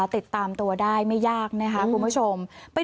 ติดตามตัวได้ไม่ยากนะคะคุณผู้ชม